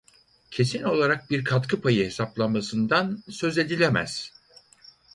Kesin olarak bir katkı payı hesaplamasından söz edilemez.